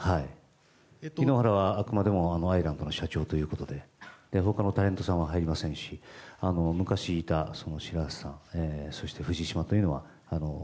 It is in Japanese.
井ノ原はあくまでもアイランドの社長ということで他のタレントさんは入りませんし昔いた白波瀬さんそして藤島というのは。